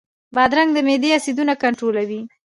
بادرنګ د معدې اسیدونه کنټرولوي.